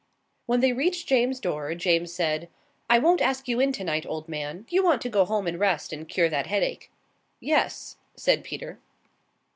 When they reached James's door, James said: "I won't ask you in tonight, old man. You want to go home and rest and cure that headache." "Yes," said Peter.